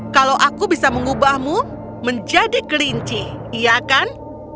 kalau aku bisa mengubahmu menjadi kelinci iya kan